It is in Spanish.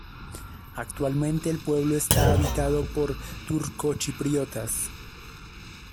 Actualmente el pueblo está habitado por turcochipriotas.